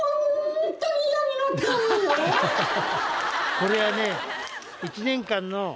これはね。